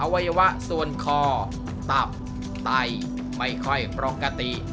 วัยวะส่วนคอตับไตไม่ค่อยปกติ